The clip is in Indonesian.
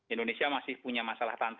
indonesia masih punya masalah